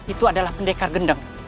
itu adalah pendekar gendeng